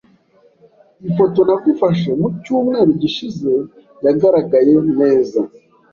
Ifoto nagufashe mucyumweru gishize yagaragaye neza.